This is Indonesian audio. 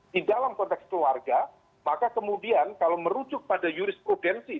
di dalam konteks keluarga maka kemudian kalau merujuk pada jurisprudensi